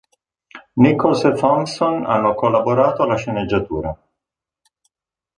Nichols e Thompson hanno collaborato alla sceneggiatura.